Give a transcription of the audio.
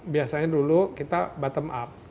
biasanya dulu kita bottom up